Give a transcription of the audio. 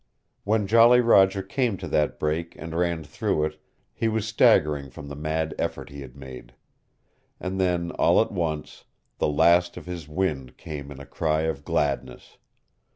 When Jolly Roger came to that break and ran through it he was staggering from the mad effort he had made. And then, all at once, the last of his wind came in a cry of gladness.